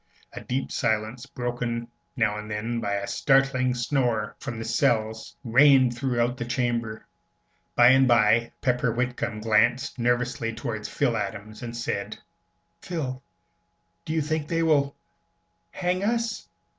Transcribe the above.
A deep silence, broken now and then by a startling snore from the cells, reigned throughout the chamber. By and by Pepper Whitcomb glanced nervously towards Phil Adams and said, "Phil, do you think they will hang us?"